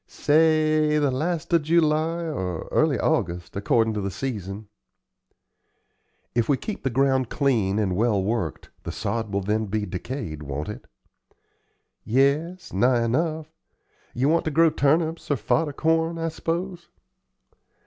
"Say the last of July or early August, accordin' to the season." "If we keep the ground clean and well worked the sod will then be decayed, won't it?" "Yes, nigh enough. Ye want to grow turnips or fodder corn, I s'pose?"